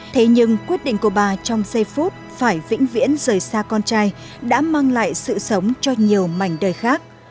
thế nhưng quyết định của bà trong giây phút phải vĩnh viễn rời xa con trai đã mang lại sự sống cho nhiều mảnh đời khác